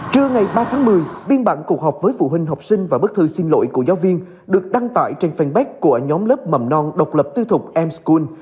trưa ngày ba tháng một mươi biên bản cuộc họp với phụ huynh học sinh và bức thư xin lỗi của giáo viên được đăng tải trên fanpage của nhóm lớp mầm non độc lập tư thục mscon